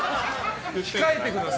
控えてください。